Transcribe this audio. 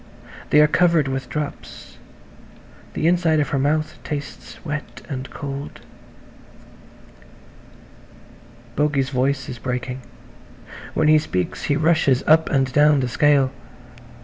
They are covered with drops; the inside of her mouth tastes wet and cold. Bogey's voice is breaking. When he speaks he rushes up and down the scale.